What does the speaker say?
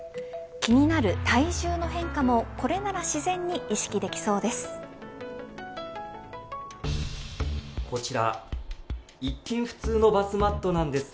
気になる体重の変化も、これなら自然に意識できそうです。